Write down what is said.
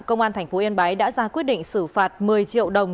công an thành phố yên bái đã ra quyết định xử phạt một mươi triệu đồng